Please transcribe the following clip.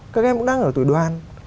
các em cũng đang ở tuổi đoàn